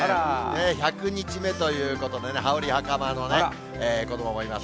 １００日目ということでね、羽織はかまのね、子どももいます。